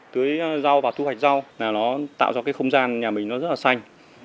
tưới rau và thu hoạch rau là nó tạo ra cái không gian nhà mình nó rất là xanh